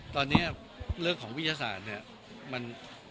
ตอนนี้เรื่องของวิทยาศาสตร์เนี่ยมัน